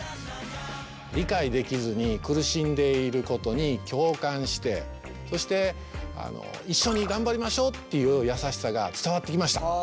理解できずに苦しんでいることに共感してそして一緒に頑張りましょうっていう優しさが伝わってきました。